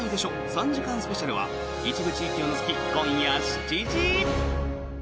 ３時間スペシャルは一部地域を除き、今夜７時。